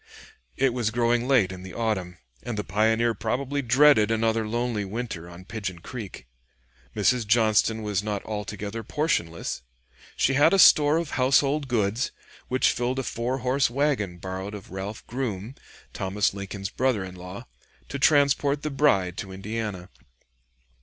It was growing late in the autumn, and the pioneer probably dreaded another lonely winter on Pigeon Creek. Mrs. Johnston was not altogether portionless. She had a store of household goods which filled a four horse wagon borrowed of Ralph Grume, Thomas Lincoln's brother in law, to transport the bride to Indiana.